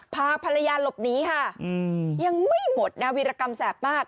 พาภรรยาหลบหนีค่ะยังไม่หมดนะวิรกรรมแสบมาก